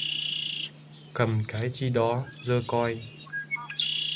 Cầm cái chi đó, dơ coi!